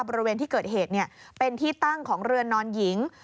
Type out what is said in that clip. บริเวณที่เกิดเหตุเป็นที่ตั้งของเรือนนอนหญิง